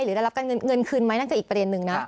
ได้รับการเงินคืนไหมนั่นก็อีกประเด็นนึงนะ